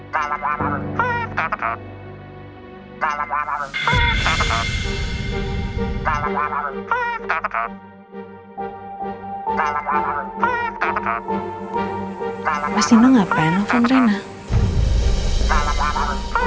sampai jumpa di video selanjutnya